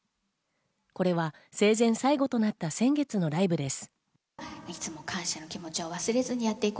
これは生前最後となった先月のライブです。